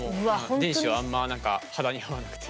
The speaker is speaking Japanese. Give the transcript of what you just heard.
電子はあんま何か肌に合わなくて。